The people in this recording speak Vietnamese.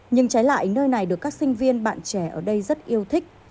nhưng trái lại nơi này được các sinh viên bạn trẻ ở đây rất yêu thích